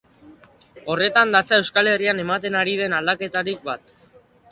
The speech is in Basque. Horretan datza Euskal Herrian ematen ari den aldaketarik bat.